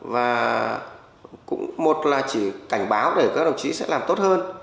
và cũng một là chỉ cảnh báo để các đồng chí sẽ làm tốt hơn